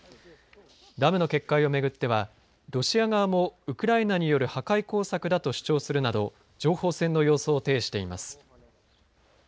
ダムの決壊を巡ってはロシア側もウクライナによる破壊工作だと主張するなど情報戦の様相を呈しています。